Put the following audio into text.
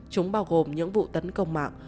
chúng bao gồm những vụ tấn công mạng